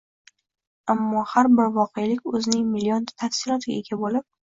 Ammo har bir voqelik o‘zining millionta tafsilotiga ega bo‘lib